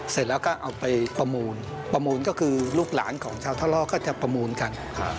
เสร็จแล้วก็เอาไปประมูลประมูลก็คือลูกหลานของชาวท่อล่อก็จะประมูลกัน